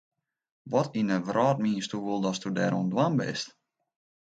Wat yn de wrâld miensto wol datst dêr oan it dwaan bist?